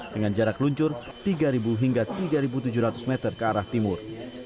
dengan jarak luncur tiga hingga tiga tujuh ratus meter ke arah timur